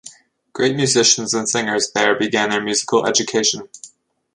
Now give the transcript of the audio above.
Great musicians and singers there began their musical education.